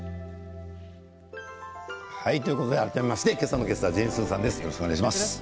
改めまして今朝のゲストはジェーン・スーさんです。